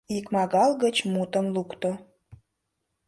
Икмагал гыч мутым лукто: